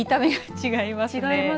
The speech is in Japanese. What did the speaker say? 違いますよね。